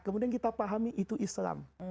kemudian kita pahami itu islam